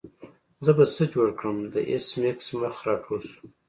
زه به څه جوړ کړم د ایس میکس مخ راټول شو